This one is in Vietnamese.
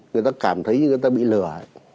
người ta cảm thấy như người ta bị lừa